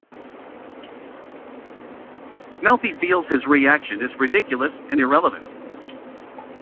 Melfi feels his reaction is ridiculous and irrelevant.